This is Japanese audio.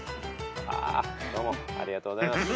ああどうもありがとうございます。